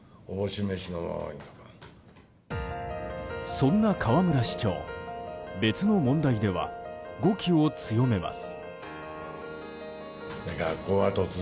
そんな河村市長別の問題では語気を強めます。